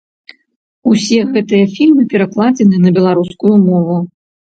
Усе гэтыя фільмы перакладзены на беларускую мову.